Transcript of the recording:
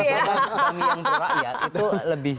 ekonomi yang pro rakyat itu lebih